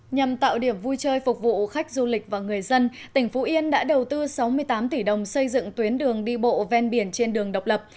nhằm tạo điểm vui chơi phục vụ khách du lịch và người dân tỉnh phú yên đã đầu tư sáu mươi tám tỷ đồng xây dựng tuyến đường đi bộ ven biển trên đường độc lập